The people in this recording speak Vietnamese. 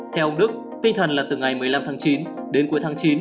theo ông đức tinh thần là từ ngày một mươi năm tháng chín đến cuối tháng chín